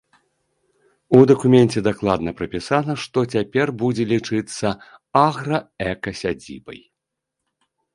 У дакуменце дакладна прапісана, што цяпер будзе лічыцца аграэкасядзібай.